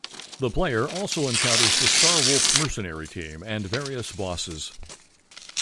The player also encounters the Star Wolf mercenary team and various bosses.